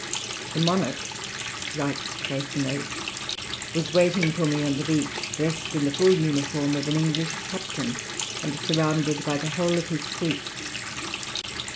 "The monarch," writes Freycinet, "was waiting for me on the beach, dressed in the full uniform of an English captain, and surrounded by the whole of his suite.